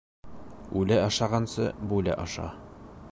Үлә ашағансы, бүлә аша.